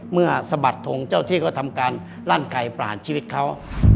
สะบัดทงเจ้าที่ก็ทำการลั่นไก่ปลานชีวิตเขา